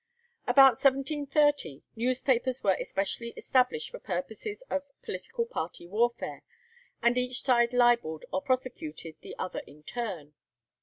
About 1730, newspapers were especially established for purposes of political party warfare, and each side libelled or prosecuted the other in turn.